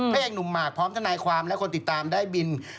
เอกหนุ่มหมากพร้อมทนายความและคนติดตามได้บิน